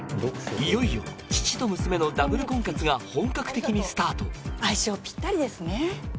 いよいよ父と娘のダブル婚活が本格的にスタート相性ぴったりですね